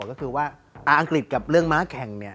ก็คือว่าอังกฤษกับเรื่องม้าแข่งเนี่ย